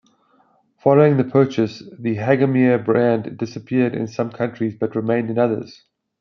Following the purchase, the Hagemeyer brand disappeared in some countries but remained in others.